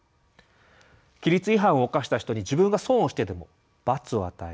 「規律違反を犯した人に自分が損をしてでも罰を与える。